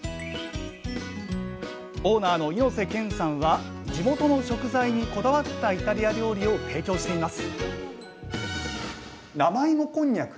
オーナーの井瀬賢さんは地元の食材にこだわったイタリア料理を提供しています